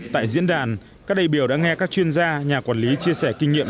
tại diễn đàn các đại biểu đã nghe các chuyên gia nhà quản lý chia sẻ kinh nghiệm